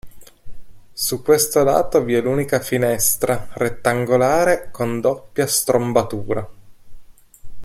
Su questo lato vi è l’unica finestra, rettangolare con doppia strombatura.